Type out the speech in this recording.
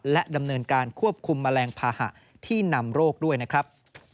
และดำเนินการควบคุมแมลงภาหะที่นำโรคด้วยนะครับ